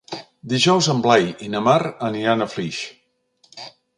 Dijous en Blai i na Mar aniran a Flix.